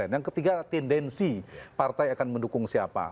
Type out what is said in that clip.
yang ketiga tendensi partai akan mendukung siapa